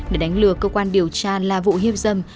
để đánh lừa cơ quan điều tra là vụ hiếp dâm